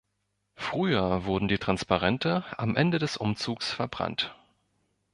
Früher wurden die Transparente am Ende des Umzugs verbrannt.